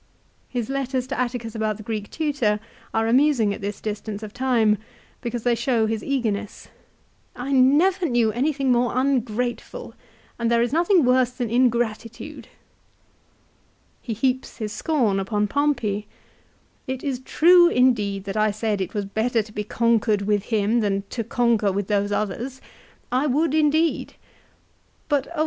His letters to Atticus about the Greek tutor are amusing at this distance of time, because they show his eagerness. " I never knew anything more ungrateful; aod there is nothing worse than ingratitude." 2 He heaps his scorn upon Pompey. "It is true indeed that I said that it was better to be conquered with him than to conquer with those others. I would indeed. But of 1 Ad Att. lib. vii. 2023. a Ad Att. lib.